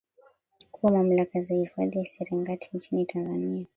kuwa mamlaka za hifadhi ya Serengeti nchini Tanzania